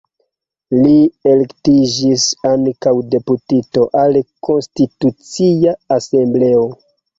Li elektiĝis ankaŭ deputito al Konstitucia Asembleo.